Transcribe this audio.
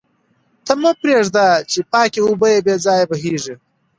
ته مه پرېږده چې پاکې اوبه بې ځایه بهېږي.